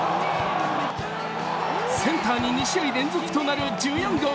センターに２試合連続となる１４号。